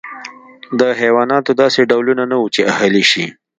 د حیواناتو داسې ډولونه نه وو چې اهلي شي.